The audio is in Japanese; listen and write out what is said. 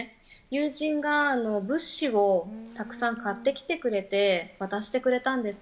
友人が物資をたくさん買ってきてくれて、渡してくれたんです。